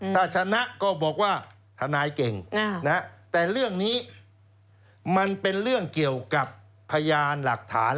ถ้าชนะก็บอกว่าทนายเก่งแต่เรื่องนี้มันเป็นเรื่องเกี่ยวกับพยานหลักฐาน